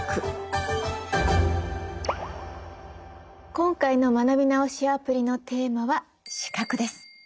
今回の学び直しアプリのテーマは「視覚」です。